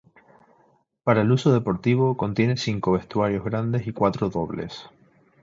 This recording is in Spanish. Para el uso deportivo, contiene cinco vestuarios grandes y cuatro dobles.